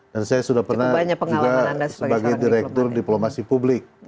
dan saya sudah pernah juga sebagai direktur diplomasi publik